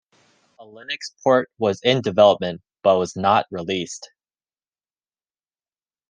A Linux port was in development but was not released.